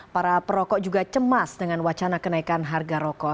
para perokok juga cemas dengan wacana kenaikan harga rokok